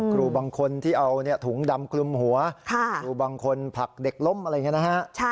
ครูบางคนที่เอาถุงดำคลุมหัวครูบางคนผลักเด็กล้มอะไรอย่างนี้นะฮะ